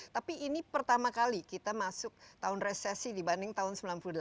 tapi ini pertama kali kita masuk tahun resesi dibanding tahun sembilan puluh delapan